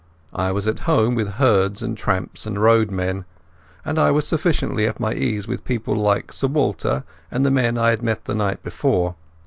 I was at home with herds and tramps and roadmen, and I was sufficiently at my ease with people like Sir Walter and the men I had met the night before.